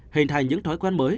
hình thành những thói quen mới